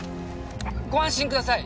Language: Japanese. ご安心ください